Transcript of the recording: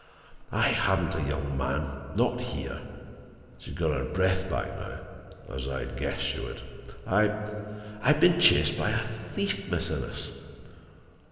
"I haven't a young man—not here." She had got her breath now, as I had guessed she would. "I—I have been chased by a thief, Miss Innes."